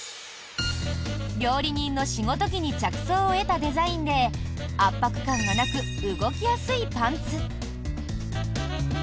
料理人の仕事着に着想を得たデザインで圧迫感がなく動きやすいパンツ。